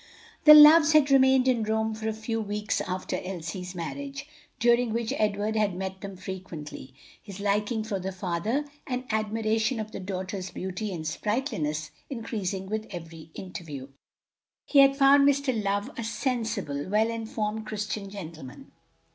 The Loves had remained in Rome for a few weeks after Elsie's marriage, during which Edward had met them frequently, his liking for the father and admiration of the daughter's beauty and sprightliness increasing with every interview. He had found Mr. Love a sensible, well informed Christian gentleman.